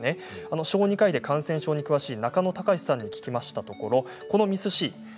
小児科医で感染症に詳しい中野貴司さんに聞きましたところこのＭＩＳ−Ｃ